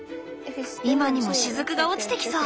今にもしずくが落ちてきそう。